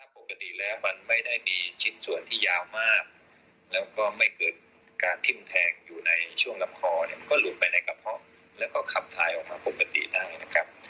ปกติแล้วมันไม่ได้มีชิ้นส่วนที่ยาวมากแล้วก็ไม่เกิดการทิ้มแทงอยู่ในช่วงลำคอเนี่ยมันก็หลุดไปในกระเพาะแล้วก็ขับถ่ายออกมาปกติได้นะครับ